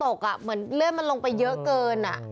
ตกเอ่อเหมือนเงลิดมันลงไปเยอะเกิน